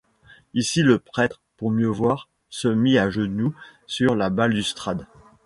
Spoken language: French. Ici le prêtre, pour mieux voir, se mit à genoux sur la balustrade.